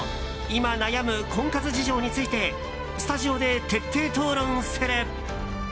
今悩む婚活事情についてスタジオで徹底討論する。